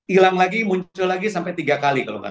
ilang lagi muncul lagi sampai tiga kali kalau nggak salah saya ingat